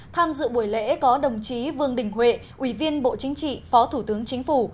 tham dự buổi lễ có đồng chí vương đình huệ ủy viên bộ chính trị phó thủ tướng chính phủ